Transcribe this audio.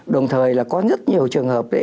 đồng thời là có rất nhiều trường hợp